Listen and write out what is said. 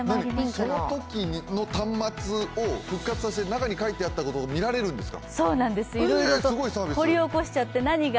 そのときの端末を復活させ、中に書いてあったことが見られるんですか。